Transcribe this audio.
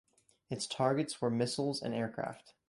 Its targets were missiles and aircraft.